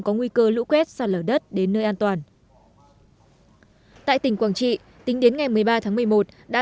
có nguy cơ lũ quét sạt lở đất đến nơi an toàn tại tỉnh quảng trị tính đến ngày một mươi ba tháng một mươi một đã